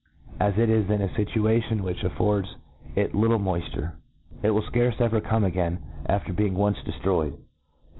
As it is in a fituation which affords it little moifture, it will fcarcc ever come again, after being once deftroyed.